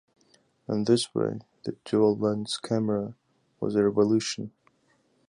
In this way, the dual lens camera was a revolution.